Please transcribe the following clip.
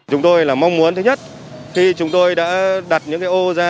chúng tôi là mong muốn thứ nhất khi chúng tôi đã đặt những cái o ra